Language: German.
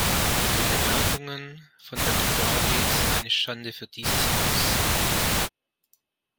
Die Bemerkungen von Herrn Crowley sind eine Schande für dieses Haus!